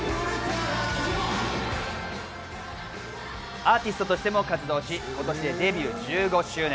アーティストとしても活動し、今年デビュー１５周年。